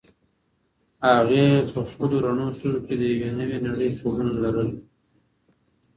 هغې په خپلو رڼو سترګو کې د یوې نوې نړۍ خوبونه لرل.